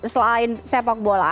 selain sepak bola